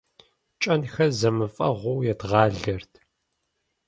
КӀэнхэр зэмыфэгъуу едгъалэрт.